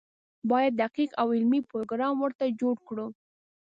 باید دقیق او علمي پروګرام ورته جوړ کړو.